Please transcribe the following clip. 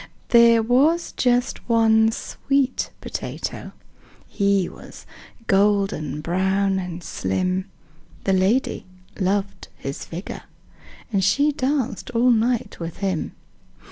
"There was just one sweet potato. He was golden brown and slim: The lady loved his figure. She danced all night with him.